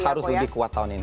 harus lebih kuat tahun ini